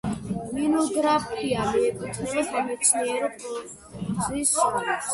მონოგრაფია მიეკუთვნება სამეცნიერო პროზის ჟანრს.